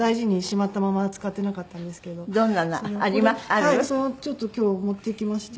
それをちょっと今日持ってきまして。